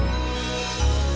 aku mau berlebihan